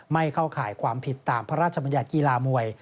เข้าข่ายความผิดตามพระราชบัญญัติกีฬามวย